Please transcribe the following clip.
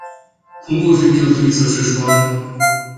Cum vor fi cheltuiți acești bani?